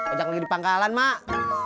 ajak lagi di pangkalan mak